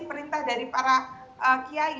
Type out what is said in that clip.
perintah dari para kiai